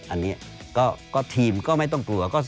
อันนี้ก็ทีมก็ไม่ต้องกลัว